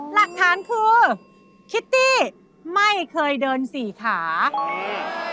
หลักฐานคือคิตตี้ไม่เคยเดินสี่ขาอืม